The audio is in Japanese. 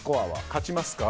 勝ちますか？